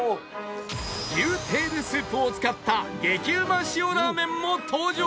牛テールスープを使った激うま塩ラーメンも登場